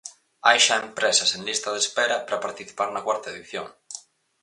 Hai xa empresas en lista de espera para participar na cuarta edición.